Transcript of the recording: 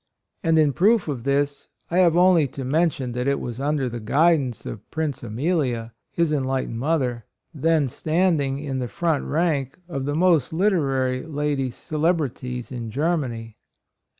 And in proof of this, I have only to men tion that it was under the guidance of Princess Amelia, his enlightened mother, then standing in the front rank of the most literary lady cele brities in Germany.